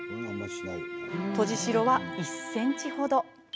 とじしろは１ｃｍほど。